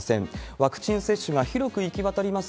ワクチン接種が広く行き渡ります